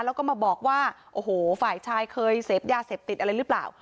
แล้วก็มาบอกว่าโอ้โหฝ่ายชายเคยเสพยาเสพติดอะไรหรือเปล่า